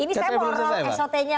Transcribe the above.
ini saya moral esotenya